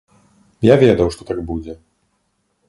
Я ведаў, што так будзе.